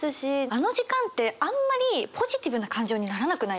あの時間ってあんまりポジティブな感情にならなくないですか？